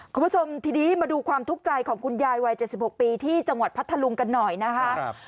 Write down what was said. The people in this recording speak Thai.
คุณผู้ชมทีนี้มาดูความทุกข์ใจของคุณยายวัย๗๖ปีที่จังหวัดพัทธลุงกันหน่อยนะคะ